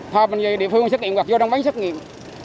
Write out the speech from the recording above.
thôi mình về địa phương xét nghiệm hoặc vô đông bán xét nghiệm